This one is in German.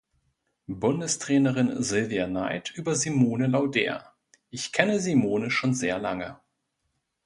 Bundestrainerin Silvia Neid über Simone Laudehr: "„Ich kenne Simone schon sehr lange.